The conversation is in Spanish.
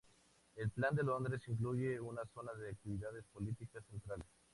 El plan de Londres incluye una zona de actividades políticas centrales.